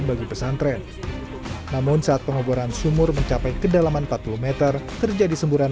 bagi pesantren namun saat pengoboran sumur mencapai kedalaman empat puluh m terjadi semburan